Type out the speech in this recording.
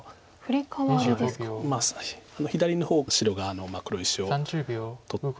左の方白が黒石を取って。